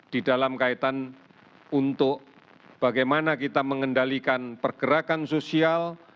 di dalam kaitan untuk bagaimana kita mengendalikan pergerakan sosial